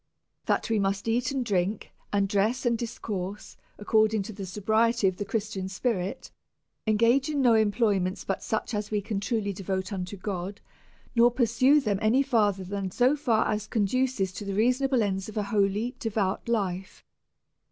I That we must eat and drink, and di*ess and dis j course, according* to the sobriety of the Christian spi l rit, engage in no employments but such as we can ; truly devote unto God, nor pursue them any further ; than as they conduce to the reasonable ends of a holy devout life.